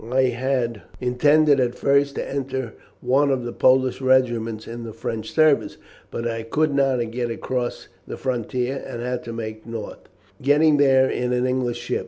I had intended at first to enter one of the Polish regiments in the French service, but I could not get across the frontier, and had to make north, getting here in an English ship.